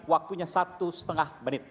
waktunya satu setengah menit